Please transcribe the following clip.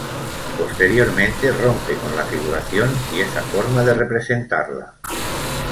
Posteriormente rompe con la figuración y esa forma de representarla.